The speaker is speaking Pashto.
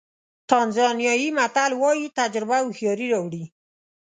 تانزانیایي متل وایي تجربه هوښیاري راوړي.